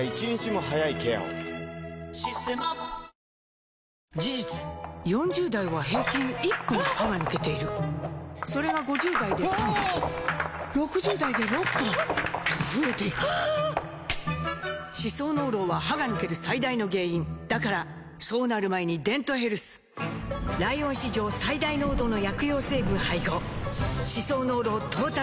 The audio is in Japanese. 「システマ」事実４０代は平均１本歯が抜けているそれが５０代で３本６０代で６本と増えていく歯槽膿漏は歯が抜ける最大の原因だからそうなる前に「デントヘルス」ライオン史上最大濃度の薬用成分配合歯槽膿漏トータルケア！